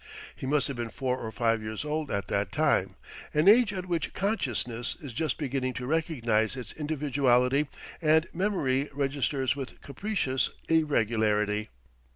He must have been four or five years old at that time: an age at which consciousness is just beginning to recognize its individuality and memory registers with capricious irregularity.